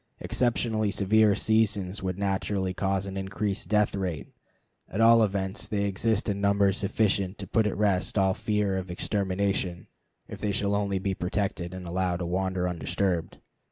Exceptionally severe seasons would naturally cause an increased death rate. At all events, they exist in numbers sufficient to put at rest all fear of extermination if they shall only be protected and allowed to wander undisturbed.